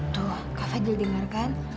tuh kak fadil dengarkan